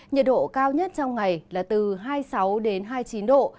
nhiệt độ cao nhất trong ngày là từ hai mươi sáu đến hai mươi chín độ